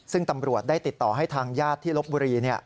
ซึ่งตำรวจได้ติดต่อให้ทางญาติที่ลบบุรี